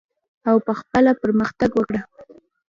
او په خپله پرمختګ وکړه.